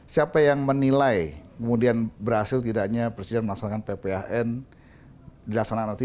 siapa yang menilai kemudian berhasil tidaknya presiden melaksanakan pphn